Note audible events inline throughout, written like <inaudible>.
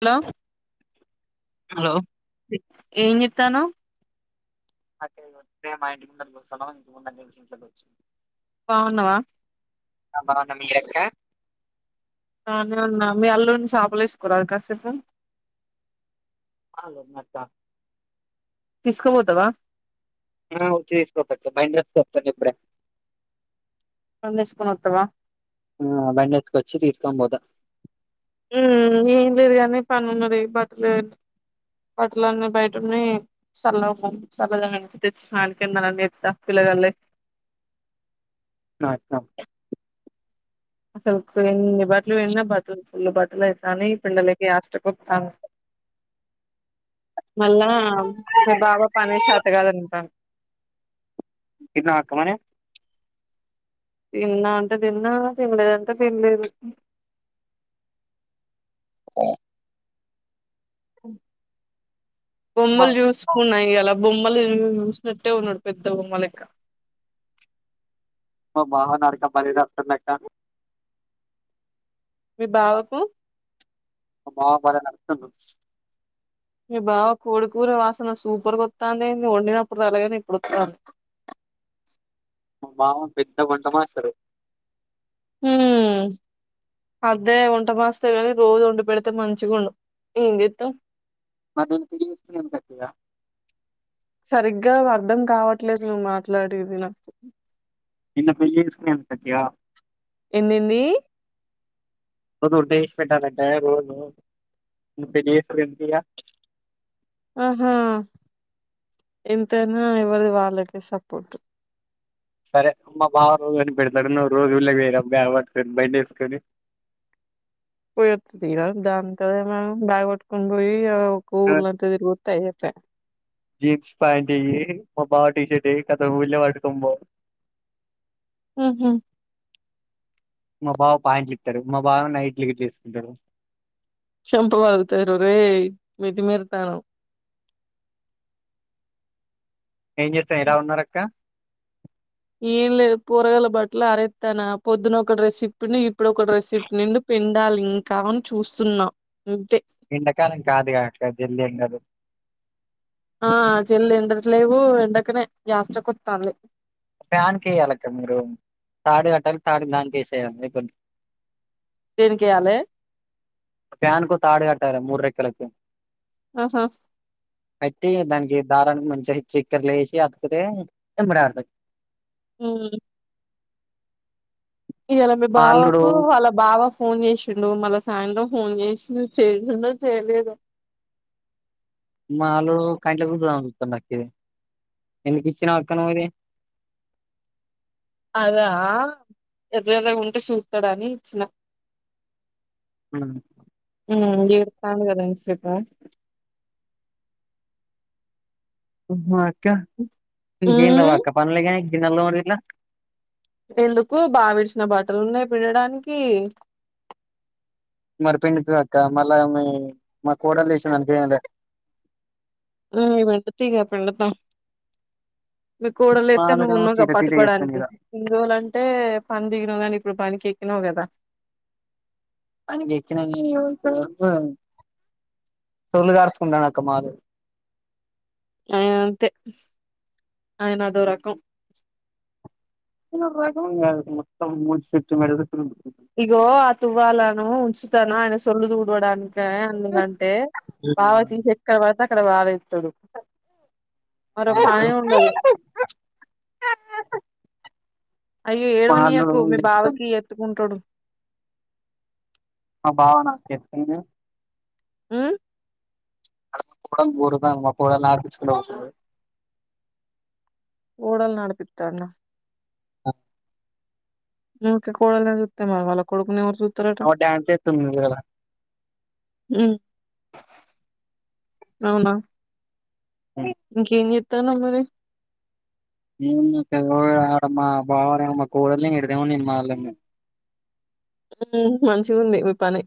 Hello hello ఏం చేత్తనవ్ <unintelligible> అే వస్తే మా ఇంటి గుండకి వస్తాం ఇంక ముండ నించి ఇంలోకి వచ్చింది బావున్నావా <unintelligible> మీ లెక్క బాగనే ఉన్న మీ అల్లుడిని శాపల వేసుకోరాదు కాసేపు హాలో అత్త <unintelligible> తీస్కపోతవా ఆ ఉచ్చి తీస్కపోప్తే మైందస్కో ఇప్పుడే <unintelligible> ఫోన్ తీసుకొనీ వత్తవా ఆ బండి ఎత్తుకొచ్చి తీసుకొని పోతా ఉమ్ ఏం లేదు కానీ పని ఉన్నది బట్టలు బట్టలు అన్నీ బయటవున్నాయి చల్ల చల్లద తెచ్చి <unintelligible> ఆళ కిందాలనిస్తా పిల్లగాల్లే ఆ అత్త అసలు ఎన్ని బట్టలు విండిన బట్టలు పుల్లు బట్టలు అయితాని పిల్లలకి ఆష్ట కొతాను మళ్ళా మీ బావ పని చెతగాదంటాను తిన్నావా అక్క మరి తిన్నా అంటే తిన్నా తినలేదంటే తినలేదు మా బొమ్మలు చూసు <unintelligible> ఈయల బొమ్మలు చూసినట్టే ఉన్నాడు పెద్ద బొమ్మలక్క మా బావ నడక <unintelligible> అక్క మీ బావకు మా బావ భలే నడుస్తుండు మీ బావ కోడి కూర వాసన సూపర్గా వత్తంది ఏంది వండినప్పడు రాలే గాని ఇప్పుడు వస్తాంది మా బావ పెద్ద వంట మాస్టరు ఉమ్ అదే వంట మాస్టర్ ఎ కాని రోజు వండి పెడితే మంచిగా ఉండు ఏం జెత్తం మ్యాట్ పీస్ కొంకోచిన <unintelligible> సరిగ్గా అర్థం కావట్లేదు నువ్వు మాట్లాడేది నాకు నిన్ను పెళ్ళి చేసుకున్నందుకు సత్య ఏందిఏందీ రోజు వంట చేసి పెట్టాలంటే రోజు నిన్ను పెళ్ళి చేసుకున్నది ఎందుకు ఇగ ఆహా ఎంతైనా ఎవరిది వాళ్ళకి సపోర్ట్ సరే మా బావ రోజు వండి పెడతాడు నువ్ రోజు ఊర్లోకి వోయిరాపో బ్యాగ్ పట్టుకోని బండి వేసుకొని పోయి వత్తతీరా దాంతో ఏమని బ్యాగ్ పట్టుకుని పోయి ఆడ ఒక ఊళ్ళంతా తిరుగుతే ఆయేపాయ్ జీన్స్ ప్యాంట్ వెయ్యి మా బావ టీషర్ట్ ఏయ్ కథం ఊళ్ళో పట్టుకొని వో మ్మ్ హ్ మా బావ పాయింట్లు ఇత్తాడు మా బావ నైటీలు గిట్లా వేసుకుంటాడు చంపపలుగుతాది రొరై మితిమీరుతానవ్ ఏం చేస్తావ్ ఎలా ఉన్నారు అక్క ఏం లేదు పోరగాల్ల బట్టలు ఆరేత్తనా పొద్దున ఒక డ్రెస్ ఇప్పిండు ఇప్పుడు ఒక డ్రెస్ ఇప్పినుండు పిండాలి ఇంకా అని చూస్తున్నా అంతే ఎండాకాలం కాదుగాక్క జల్ది ఎండదు ఆ జల్ల్ ఎండట్లేవు ఎండకనే యాసిరికొత్తాంది ప్యాన్ కేయ్యాలి అక్క మీరు తాడు కట్టాలి తాడు దానికేసేయాలి అయిపోద్ది దేనికేయాలె ఫ్యాన్ కు తాడు కట్టాల మూడు రెక్కలకి ఆహా పెట్టి దానికి దారానికి మంచిగా చక్కెరలు వేసి అతుకుతే ఎంబడే ఆరుతాయ్ ఉమ్ ఇయాలా మీ మా అల్లుడు బావకు అలా బావా ఫోన్ చేసిండు మళ్ళా సాయంత్రం ఫోన్ చేసి చేసిండో చేయలేదో మా అల్లుడు కంట్ల <unintelligible> ఎందుకు ఇచ్చినావ్ అక్క నువ్వు ఇది అదా ఎట్లాన్నాగుంటే చూత్తాడు అని ఇచ్చినా హ్మ్ ఉమ్ ఏడుత్తాండు కదా <unintelligible> మ్మ్ హ్మ్ అక్క ఇంకేం లేవా ఉమ్ అక్క పనులేగాని గిన్నెలు తోముడు ఇట్లా ఎందుకు బావిడిసిన బట్టలున్నాయి పిండడానికి మరి పిండిపివ్వు అక్క మళ్ళా మీ మా కోడలు లేసింది అందుకనేలే అ <unintelligible> పిండుతాం మీ కోడలులేత్తే నువ్వు మాలడేమో ఉన్నావుగా తిట తిట చేత్తాండు పట్టుకోవడానికి ఈడ హిందువులు అంటే పని దిగినావు గానీ ఇప్పుడు పనికి ఎక్కినావు కదా పనికి ఎక్కినాగానీ ఎవరి కెవరికో సోళ్ళు గార్చుకుంటాను అక్క మాలు ఆయన అంతే ఆయన అదో రకం <unintelligible> మొత్తం ముూడు సెట్ <unintelligible> ఇగో ఆ తువ్వాలను ఉంచుతాను ఆయన సొల్లు దుడవడానికా <unintelligible> కంటే బాగా తీసి ఎక్కడ పడితే అక్కడ పారేత్తడు మరో పనే ఉండదు <unintelligible> అయ్యో ఏడవ మా అల్లుడు నీయకు మీ బావకి ఇయ్యి ఎత్తుకుంటాడు మా బావనా పెప్సీనో ఉమ్ <unintelligible> ఇంగో పోరల్లను ఆడిపిచ్చుకొండి ఒకసారి ఓడలు నడిపిత్తాండా అ నువ్వు ఇక కోడల్నే జూత్తే మరి వాళ్ళ కొడుకుని ఎవరు జూ ఆ <unintelligible> డ్యాన్స్ ఎత్తుంది <unintelligible> హ్మ్ అవునా అ ఇంకేం జెత్తానవ్ మరి ఉ కదా రాడమ్మా బావర మా కోడల్ని తిడుతడేమోనని నేను మాట్లాడిన ఊ మంచిగుంది మీ పని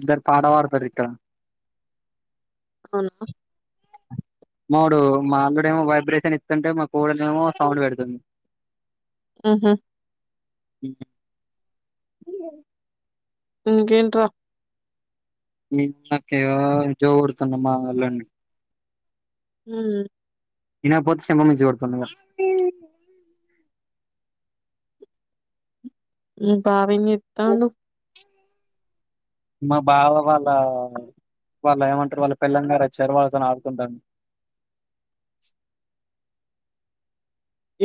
ఇద్దరు పాట పాడతారు ఇక్కడ అవునా మావోడు మా అల్లుడేమో వైబ్రేషన్ ఇత్తుంటే మా కూడలేమో సౌండ్ పెడుతది ఆహ ఇంకేంట్ర నేన్ మాక్కయ్య జో కొడుతున్నాం మా అల్లుడ్ని <unintelligible> ఇనకపోతే చెంపమిద్నుంచి కొడుతుంది ఇగ మీ బావేంచెత్తాండు మా బావ వాళ్ళ వాళ్ళ ఏమంటారు వాళ్ళ పెళ్ళాం గారచ్చారు వాళ్ళతో ఆడుకుంటాను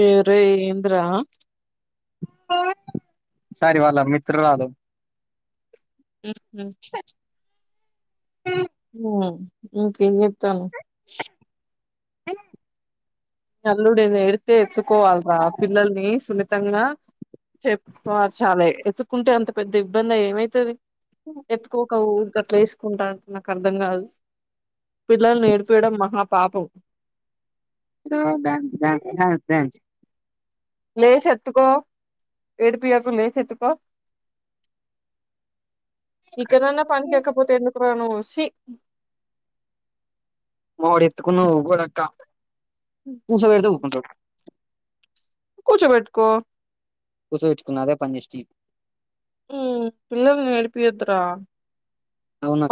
ఏయ్ రేయ్ ఎందిరా సారీ వాళ్ళ మిత్రురాలు <unintelligible> స హూ ఏం చేత్తానవ్ స్ నల్లుడిని ఎడిత్తే ఎత్తుకోవాలిరా పిల్లల్ని సునితంగా చెప్పు చాలే ఎత్తుకుంటే అంత పెద్ద ఇబ్బందే ఏమైతది ఎత్తుకోక ఊకె అట్ల వేసుకుంటార్రు నాకు అర్థం కాదు పిల్లల్ని ఏడిపియ్యడం మహా పాపం <unintelligible> లేషి ఎత్తుకో ఏడిపియ్యకు లేషి ఎత్తుకో ఇకనన్నా పనికి ఎక్కకపోతే ఎందుకూర నువు షి మావోడు ఎత్తుకున్న ఊకోడక్క కూసోపెడితే ఉకుంటడు కూచోబెట్టుకో కూచోబెట్టుకున్న ఇగ అదే పని చేస్తీ ఊ పిల్లల్ని నడిపియొద్దురా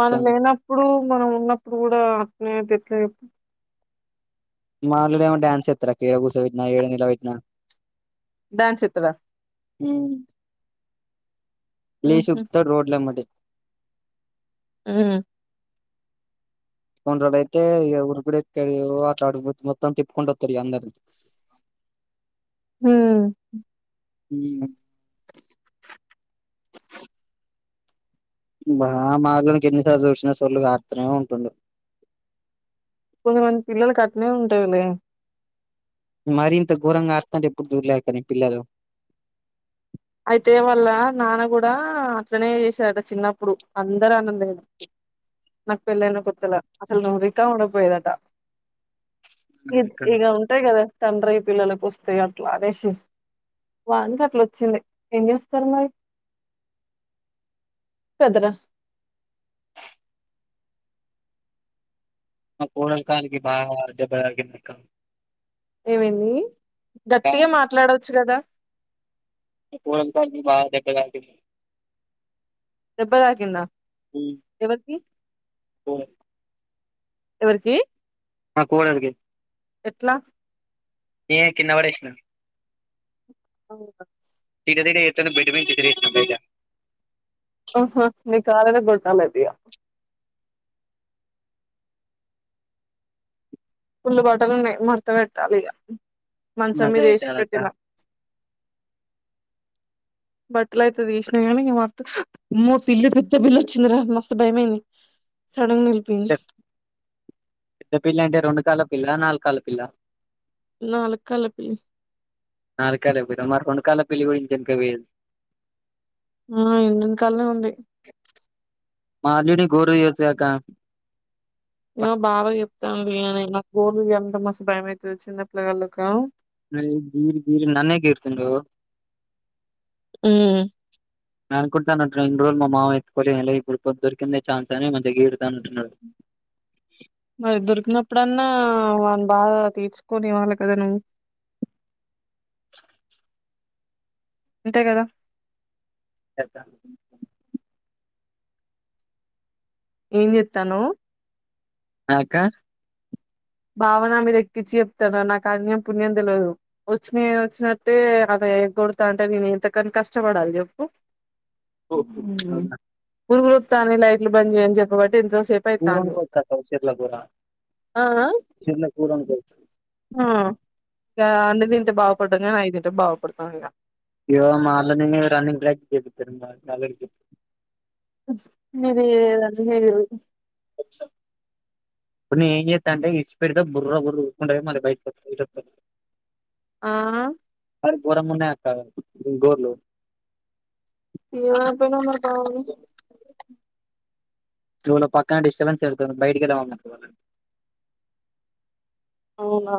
మనం లేన ఇప్పుడు మనం ఉన్నప్పుడు కూడా అట్నేఅయితే ఎట్ల చెప్పు మాదిగామె డాన్స్ ఎస్తారక్క ఏడ కూసోబెట్టిన ఏడ నిలబెట్టిన డాన్స్ ఏత్తడ హుమ్ లేశీ ఉహు ఉర్కుతడు రోడ్ల ఎంబటి ఉ కొంటోడయితే ఇగ ఊరుగుడే తెల్ల అట్లాటి గుత్తి మొత్తం తిప్పుకుంట ఒత్తడు అందరిని హూ ఉమ్ <unintelligible> బాగ మా అల్లుడ్ని ఎన్నిసార్లు చూసిన సోర్లుగార్తనే ఉంటుండు కొంతమంది పిల్లలుకు అట్నే ఉంటదిలే మరి ఇంత ఘోరంగా కారుత్తంటె ఎప్పుడు చూడలేదక్కనీ పిల్లలు అయితే వాళ్ళ నాన కూడా అట్లనే చేసేదట చిన్నప్పుడు అందరు ఆనండీ నాకు పెళ్ళైన కొత్తలా అసలు నువ్వు రికాం ఉండ పోయేదట ఇ ఉమ్, ఇక్కడ ఇగ అంటాయి కదా తండ్రి పిల్లలకి వస్తాయి అట్లా అనేసి వానికి అట్లా వచ్చింది ఎంగేస్తారు మరి కద్ర మా కోడల్ కాలికి బాగ దెబ్బ తాకింది అక్క ఏమేంది గట్టిగా మాట్లాడవచ్చు కదా మా కోడలి కాలికి బాగా దెబ్బ తగిలింది దెబ్బ తాకిందా ఉమ్, ఎవరికి కోడలి- ఎవరికి మా కోడలికి ఎట్లా నేనే కింద పడేసిన అవున తీట తీట చేస్తుంటే బెడ్ నుంచి ఎగరేసిన బయట ఓహో మీకు ఆల్రెడీ గుట్టలేదిగా పుల్ బటలు ఉన్నాయి ఇగ మర్త పెట్టాలి ఇక మంచం మీద వేసి అక్క పెట్టిన బట్టలు అయితే తీసినా కానీ మత్తు మమ్మో పిల్లి పెద్ద బిల్లి వచ్చిందిరా మస్త్ భయమయింది సడంగ పెద్ద పిల్లి అంటే రెండు కాళ్ల పిల్ల నాలుగు కాళ్ళ పిల్ల నాలుకాళ్ల పిల్లి నాలుగు కాల పిల్ల మరి రెండు కాల పిలి ఇంటి వెనుకకు పోయింది ఆ ఎనకల్నే ఉంది మా అల్లుడి ని గోరు తీయచుగా అక్క ఏమో బాగ చెప్తాను లే న నాకు గోల్ తీయాలంటే మస్త భయం అవుతుంది చిన్నపిల్గలకు నన్నే గీర్తుండు ఉమ్ న అనుకుంటా అన్నటునడు ఇన్ని రోజు మామ ఎతుకోలే ఏం లే ఇప్పుడు దొరికింద ఛాన్స్ అని మంచిగా గీరుతా అంటన్నాడు మరి దొరికినప్పుడన్నా వానిు బాగా తీర్చుకోని ఇవాళ కదా నువ్వు అంతే కదా పెద్దన్న ఏం జేతనవ్ ఆక్క భావన మీద ఎక్కించి చెప్తడు రా నా కణ్యం పుణ్యం తెలియదు వచ్చిన వచ్చినట్టే అలా ఎకొడతా అంటే నేను ఎంతకని కష్టపడాలి చెప్పు ఊ పురుగులు ఒతనై లైట్లు బంద్ చేయ్యని చెప్పబట్టి ఎంతోసేపు పూరణ అయితాంది కోట్క శిర్లా పూర ఆ ఆ శర్లా కూరణ కోట్ ఆ ఇక అన్ని తింటే బాగుపడ్డాం కానీ ఐదింటే బాగుపడుతాం ఇంక ఇ రోజు మాల్లనే రన్నింగ్ <unintelligible> మీరే రంజిని తెలీదు ఇప్పుడు నేన్ ఏం చేస్తా అంటే ఇచ్చ పెడితో బుర్ర బుర్ర ఉకుంట ఒయ్ మల్ల బయట <unintelligible> ఆ అర గోరంగా మ్యాచ్ ఆడాలి ఉమ్ గోర్లు ఏం అర్థం గున్నారు లో పక్కన డిటబన్స్డుతుంది బయటికిలమనపుడు వాళ్ళని అవునా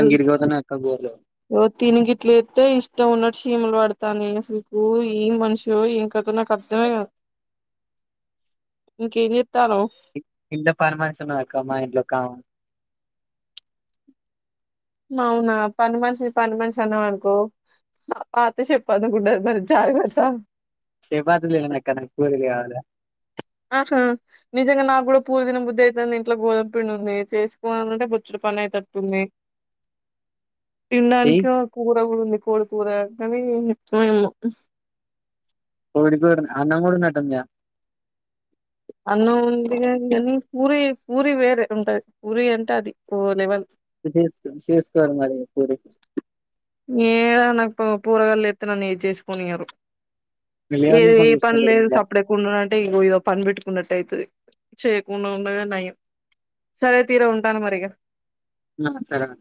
ఎల్ అక్క గోదే ఓ తినిగిట్లత్తే ఇష్టం ఉన్నట్టు షీమలు పడతాన్నయ్ అసలుకు ఏ మనిషినో ఏం కద నాకస్ ర్థమే కాద్, ఇంకేం జేత్తానవ్? ఇంట్ల పని మనిషి ఉన్నదక్క మా ఇంట్లొక అవునా పని మనిషి, పని మనిషన్నవనుకో పాత చెప్పందు కుంటది మరి జాగ్రత్త సేపద్దులే అక్కా నాక్క <unintelligible> కవాల్ల అహా నిజంగా నాకు గుడ పూరి తినబుద్ది అయితాంది ఇంట్ల గోధుమ పిండి ఉంది, చేసుకోవాలంటే బొచ్చుడు పని అయేతుట్టుంది. చెయ్ తినడానికేమో కూర గుడ ఉంది, కోడి కూర కని ఎట్లనో ఏమో కోడికూరన అన్నం గుడ ఉన్నట్టుందిగా అన్నం ఉందిగని, పూరి పూరి వేరే ఉంటది, పూరి అంటే అది ఓ లెవెల్. చేస్ శెసుకోవాలె మరి పూరి ఏదో నాకు పోరగాళ్లు లేత్తేనన్ను ఏది చేసుకోనియరు. ఏది ఏ లేవనీయకుండా పని చూసుకుంటారు లేదు మళ్ళా సప్పుడేక్ కుండు అంటే ఇంగో ఇదో పని పెట్టుకున్నట్టు అయితది, చేయకుండా ఉన్నదే నయం. సరే తీయ్రా ఉంటాన్న మరిగా. ఆ సరే అక్